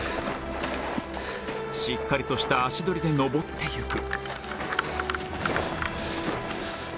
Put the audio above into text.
しっかりとした足取りで登っていく